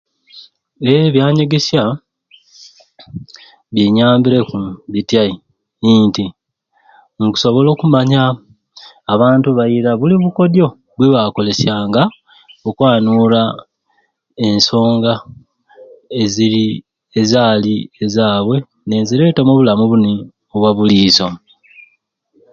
Ee ebyanyegesya binyambireku bityai nti nkusobola okumanya abantu bairai buli bukodyo bwebaakolesyanga okwanuura ensonga eziri ezaali ezaabwe ninzireeta omubulamu buni obwa buliizo